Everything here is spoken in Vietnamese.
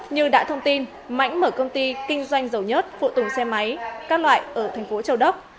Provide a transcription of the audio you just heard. như đã thông tin mãnh mở công ty kinh doanh giàu nhất phụ tùng xe máy các loại ở tp châu đốc